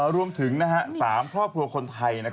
รวมถึง๓ครอบครัวคนไทย